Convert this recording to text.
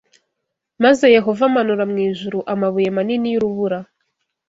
Maze Yehova amanura mu ijuru amabuye manini y’urubura